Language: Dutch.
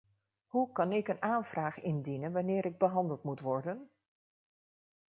Hoe kan ik een aanvraag indienen wanneer ik behandeld moet worden?